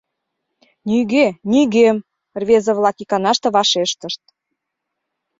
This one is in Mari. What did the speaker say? — Нигӧ — нигӧм, — рвезе-влак иканаште вашештышт.